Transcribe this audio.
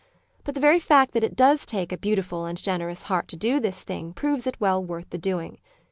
But the very fact that it does take a beautiful and generous heart to do this thing proves it well worth the doing.